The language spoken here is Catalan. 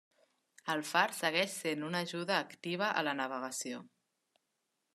El Far segueix sent una ajuda activa a la navegació.